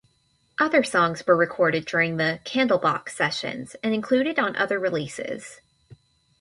Other songs were recorded during the "Candlebox" sessions and included on other releases.